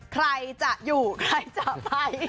ใครจะอยู่ใครจะไป